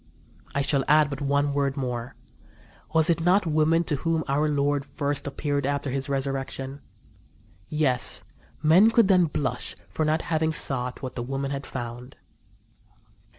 I shall add but one word more. Was not it women to whom our Lord first appeared after His resurrection? Yes, men could then blush for not having sought what the women had found."